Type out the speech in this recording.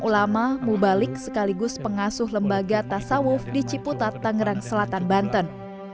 ulama mubalik sekaligus pengasuh lembaga tasawuf di ciputat tangerang selatan banten